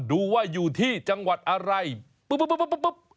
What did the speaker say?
ดูว่าอยู่ที่จังหวัดอะไรปุ๊บปุ๊บปุ๊บปุ๊บ